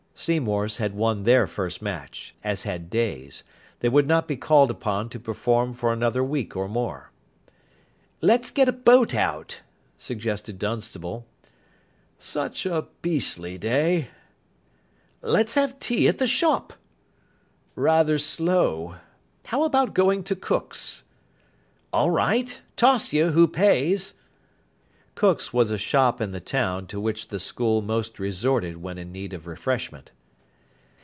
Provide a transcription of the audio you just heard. Seymour's had won their first match, as had Day's. They would not be called upon to perform for another week or more. "Let's get a boat out," suggested Dunstable. "Such a beastly day." "Let's have tea at the shop." "Rather slow. How about going to Cook's?" "All right. Toss you who pays." Cook's was a shop in the town to which the school most resorted when in need of refreshment.